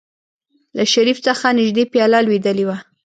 له شريف څخه نژدې پياله لوېدلې وه.